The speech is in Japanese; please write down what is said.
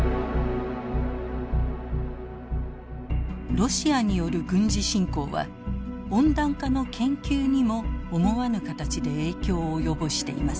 ロシアによる軍事侵攻は温暖化の研究にも思わぬ形で影響を及ぼしています。